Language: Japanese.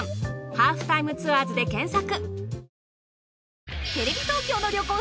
『ハーフタイムツアーズ』で検索。